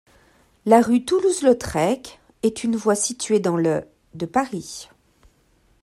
La rue Toulouse-Lautrec est une voie située dans le de Paris.